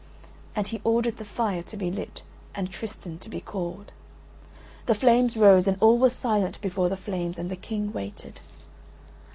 He ordered the fire to be lit, and Tristan to be called. The flames rose, and all were silent before the flames, and the King waited.